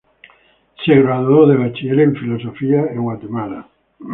Se graduó de Bachiller en Filosofía en Guatemala.